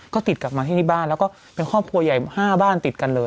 ก็ติดกลับมาที่ที่บ้านแล้วก็เป็นครอบครัวใหญ่๕บ้านติดกันเลย